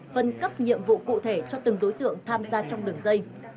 phân cấp nhiệm vụ cụ thể cho từng đối tượng tham gia trong đường dây